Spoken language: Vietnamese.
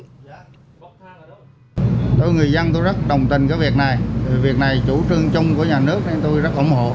tôi là người dân tôi rất đồng tình với việc này việc này chủ trương chung của nhà nước nên tôi rất ủng hộ